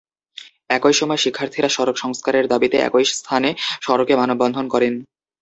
একই সময় শিক্ষার্থীরা সড়ক সংস্কারের দাবিতে একই স্থানে সড়কে মানববন্ধন করেন।